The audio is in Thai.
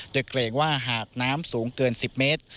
โดยเกรงว่าหากน้ำสูงเกิน๑๐เมตร